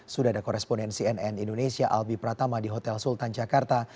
sudah ada korespondensi nn indonesia albi pratama di hotel sultan jakarta